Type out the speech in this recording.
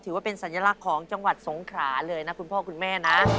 ถือว่าเป็นสัญลักษณ์ของจังหวัดสงขราเลยนะคุณพ่อคุณแม่นะ